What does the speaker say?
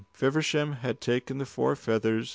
Feversham had taken the four feathers.